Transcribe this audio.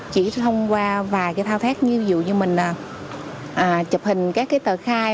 chỉ thông qua vài cái thao tác như dù như mình chụp hình các cái tờ khai